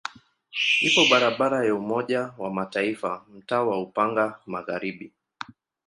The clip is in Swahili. Ipo barabara ya Umoja wa Mataifa mtaa wa Upanga Magharibi.